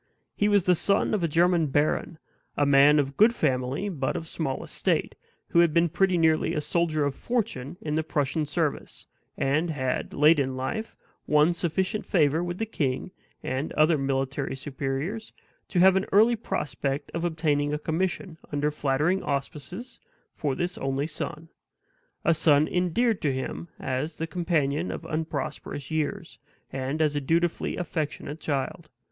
He was the son of a German baron; a man of good family, but of small estate who had been pretty nearly a soldier of fortune in the Prussian service, and had, late in life, won sufficient favor with the king and other military superiors, to have an early prospect of obtaining a commission, under flattering auspices, for this only son a son endeared to him as the companion of unprosperous years, and as a dutifully affectionate child.